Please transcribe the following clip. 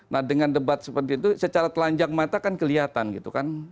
nah dengan debat seperti itu secara telanjang mata kan kelihatan gitu kan